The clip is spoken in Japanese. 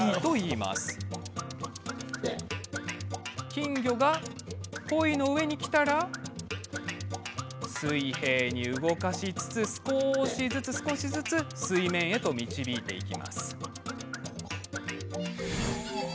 金魚がポイの上に来たら水平に動かしつつ少しずつ水面に導いていきます。